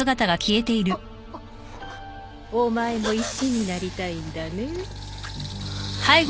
お前も石になりたいんだね？